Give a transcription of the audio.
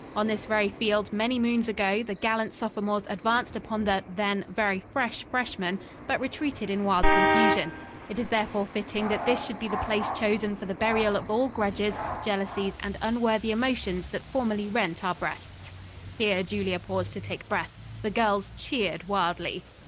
On this very field many moons ago the gallant sophomores advanced upon the, then, very fresh freshmen, but retreated in wild confusion. It is therefore fitting that this should be the place chosen for the burial of all grudges, jealousies and unworthy emotions that formerly rent our breasts." Here Julia paused to take breath. The girls cheered wildly.